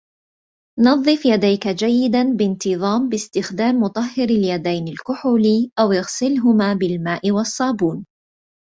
نظف يديك جيداً بانتظام باستخدام مطهر اليدين الكحولي أو اغسلهما بالماء والصابون